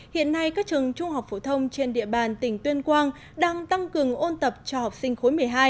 hiện nay các trường trung học phổ thông trên địa bàn tỉnh tuyên quang đang tăng cường ôn tập cho học sinh khối một mươi hai